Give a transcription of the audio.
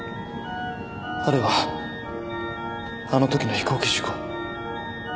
あれはあのときの飛行機事故。